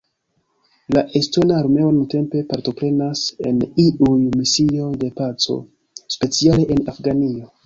La Estona Armeo nuntempe partoprenas en iuj misioj de paco, speciale en Afganio.